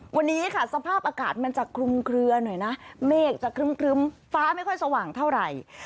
วันนี้ค่ะสภาพอากาศมันจะคลุมเคลือหน่อยนะเมฆจะครึ้มฟ้าไม่ค่อยสว่างเท่าไหร่